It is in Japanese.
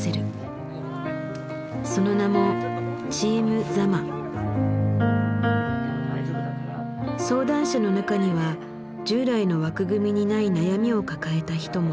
その名も相談者の中には従来の枠組みにない悩みを抱えた人も。